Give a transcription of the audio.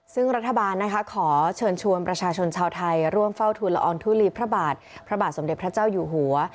ซึ่งรัฐบาลนะคะขอเชิญชวนประชาชนชาวไทยร่วมเฝ้าทุนละอองทุลีพระบาทพระบาทสมเด็จพระเจ้าอยู่หัว